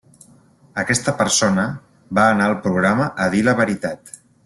Aquesta persona va anar al programa a dir la veritat.